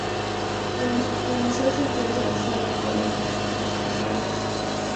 El museo se encuentra cerca de la Zona arqueológica Las Higueras.